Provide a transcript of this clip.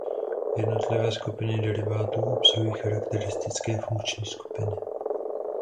Jednotlivé skupiny derivátů obsahují charakteristické funkční skupiny.